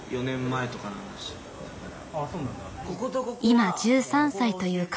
・今１３歳という彼。